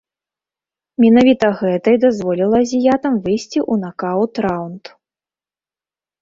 Менавіта гэта і дазволіла азіятам выйсці ў накаўт-раўнд.